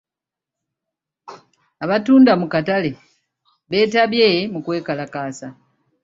Abatunda mu katale beetabye mu kwekalakaasa.